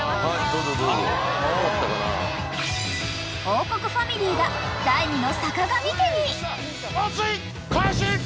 ［王国ファミリーが第２の坂上家に］